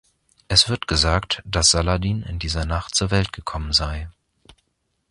Es wird gesagt, dass Saladin in dieser Nacht zur Welt gekommen sei.